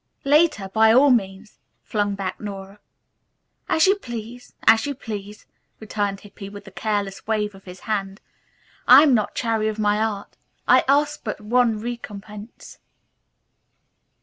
"Later, by all means," flung back Nora. "As you please. As you please," returned Hippy with a careless wave of his hand. "I am not chary of my art. I ask for but one recompense."